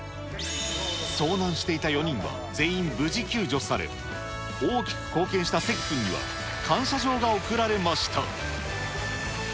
遭難していた４人は、全員無事救助され、大きく貢献した関君には、感謝状が贈られました。